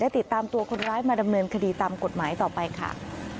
ติดตามตัวคนร้ายมาดำเนินคดีตามกฎหมายต่อไปค่ะ